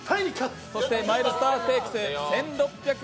マイルスターステークス１６００